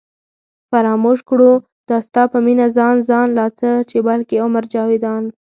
فراموش کړو دا ستا په مینه ځان ځان لا څه چې بلکې عمر جاوېدان